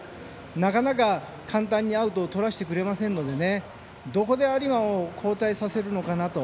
なかなか簡単にアウトをとらせてくれませんのでどこで有馬を交代させるのかなと。